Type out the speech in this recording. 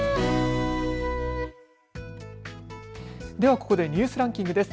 ここでニュースランキングです。